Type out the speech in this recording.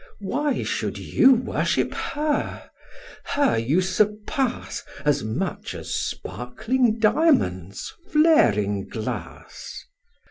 Why should you worship her? her you surpass As much as sparkling diamons flaring glass.